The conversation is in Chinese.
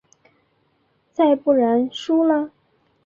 再不然输了？